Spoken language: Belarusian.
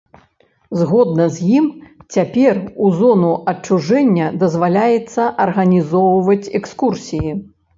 Згодна з ім, цяпер у зону адчужэння дазваляецца арганізоўваць экскурсіі.